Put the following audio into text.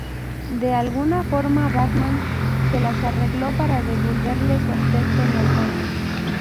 De alguna forma Batman se las arregló para devolverle su aspecto normal.